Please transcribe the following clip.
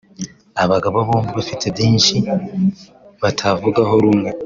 abagabo bombi bafite byinshi batavugaho rumwe